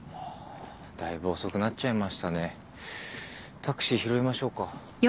タクシー拾いましょうか。